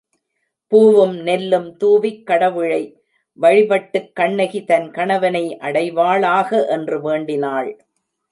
பூவும் நெல்லும் தூவிக் கடவுளை வழிபட்டுக் கண்ணகி தன் கணவனை அடைவாளாக என்று வேண்டினாள்.